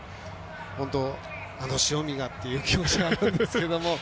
本当、あの塩見がっていう気持ちはあるんですけど。